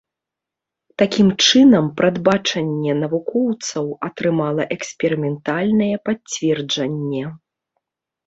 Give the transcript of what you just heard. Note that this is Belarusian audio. Такім чынам, прадбачанне навукоўцаў атрымала эксперыментальнае пацверджанне.